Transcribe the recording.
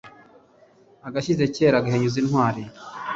agashyize kera gahinyuza intwari